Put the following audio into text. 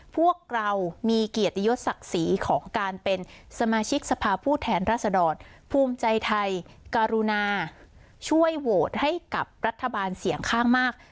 พวกเรามีเกียรติยศศักดิ์ศรีของการเป็นสมาชิกสภาพผู้แทนรัศดรภูมิใจไทยกรุณาช่วยโหวตให้กับรัฐบาลเสียงข้างมาก